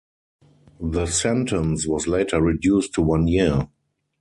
The sentence was later reduced to one year.